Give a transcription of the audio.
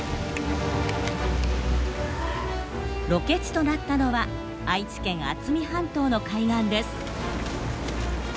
ロケ地となったのは愛知県渥美半島の海岸です。